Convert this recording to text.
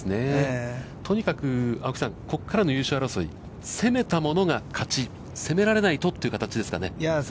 とにかく青木さん、ここからの優勝争い、攻めたものが勝ち、攻められないとという形ですかね。